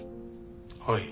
はい。